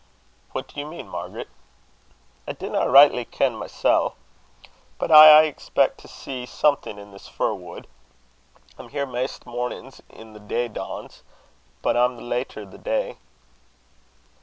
"What do you mean, Margaret?" "I dinna richtly ken mysel'. But I aye expeck to see something in this fir wood. I'm here maist mornin's as the day dawns, but I'm later the day."